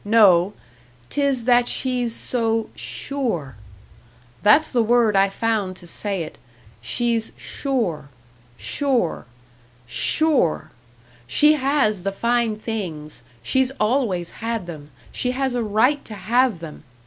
No 'tis that she's so sure! That's the word I found to say it; she's sure sure sure! She has the fine things, she's always had them, she has a right to have them!